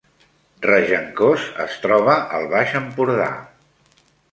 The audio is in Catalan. Regencós es troba al Baix Empordà